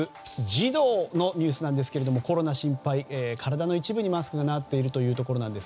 児童のニュースなんですがコロナ心配、体の一部にマスクがなっていると。